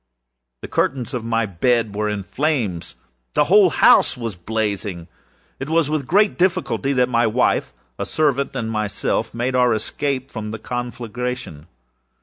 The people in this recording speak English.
The curtains of my bed were in flames. The whole house was blazing. It was with great difficulty that my wife, a servant, and myself, made our escape from the conflagration.